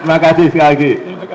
terima kasih sekali lagi